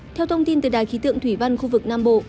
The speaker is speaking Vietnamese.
theo thông tin từ đài khí tượng thủy văn khu vực nam bộ